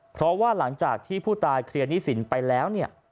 เพราะว่าหลังจากที่ผู้ตายเคลียร์หนี้สินไปแล้วเนี่ย